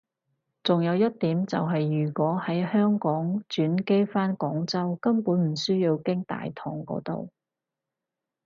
仲有一點就係如果喺香港轉機返廣州根本唔需要經大堂嗰度